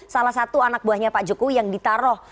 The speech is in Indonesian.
salah satu anak buahnya pak jokowi yang ditaruh